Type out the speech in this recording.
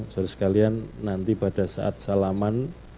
saudara sekalian nanti pada saat salaman